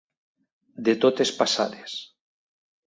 De totes passades.